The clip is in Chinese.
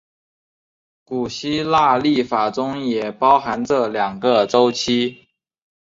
古希腊历法中也包含这两个周期。